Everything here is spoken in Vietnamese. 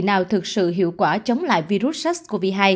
nào thực sự hiệu quả chống lại virus sars cov hai